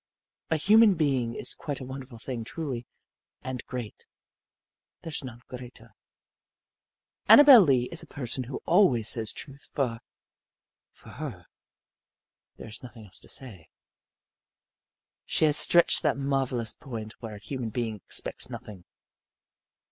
A human being is a quite wonderful thing, truly and great there's none greater. Annabel Lee is a person who always says truth, for, for her, there is nothing else to say. She has reached that marvelous point where a human being expects nothing.